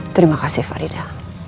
terima kasih farida